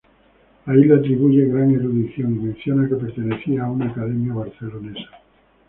Ahí le atribuye gran erudición y menciona que pertenecía a una academia barcelonesa.